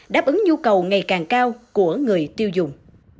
đáp ứng nhu cầu ngày càng cao của người tiêu dùng